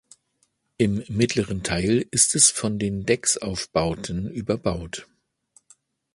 Im mittleren Teil ist es von den Decksaufbauten überbaut.